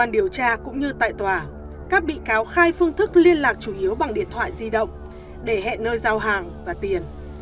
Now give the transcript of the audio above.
điều tra cũng như tại tòa các bị cáo khai phương thức liên lạc chủ yếu bằng điện thoại di động để hẹn nơi giao hàng và tiền